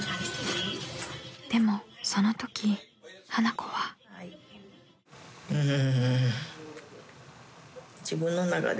［でもそのとき花子は］うん。